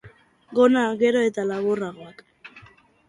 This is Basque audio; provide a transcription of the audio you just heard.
Gona gero eta laburragoak.